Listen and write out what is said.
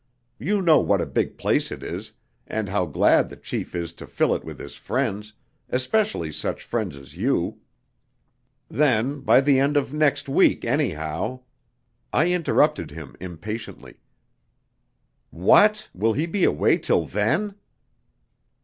You know what a big place it is, and how glad the chief is to fill it with his friends, especially such friends as you. Then, by the end of next week, anyhow " I interrupted him impatiently. "What, will he be away till then?"